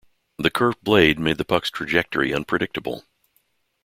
The curved blade made the puck's trajectory unpredictable.